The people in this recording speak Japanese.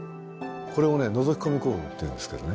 これをのぞき込み行動っていうんですけどね。